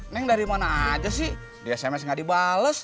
neng dari mana aja sih di sms nggak dibales